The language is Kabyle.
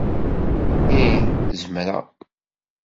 Ih, zemreɣ.